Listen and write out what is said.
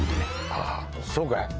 ああそうかい。